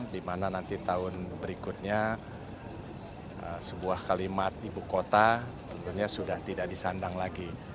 dimana nanti tahun berikutnya sebuah kalimat ibu kota tentunya sudah tidak disandang lagi